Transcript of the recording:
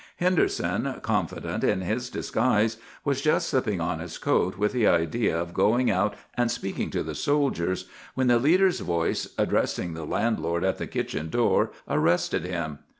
Henderson, confident in his disguise, was just slipping on his coat with the idea of going out and speaking to the soldiers, when the leader's voice, addressing the landlord at the kitchen door, arrested him.